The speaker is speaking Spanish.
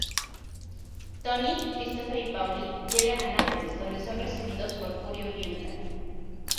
Tony, Christopher y Paulie llegan a Nápoles, donde son recibidos por Furio Giunta.